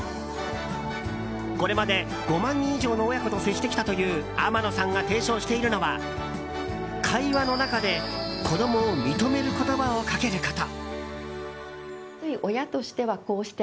これまで５万人以上の親子と接してきたという天野さんが提唱しているのは会話の中で子供を認める言葉をかけること。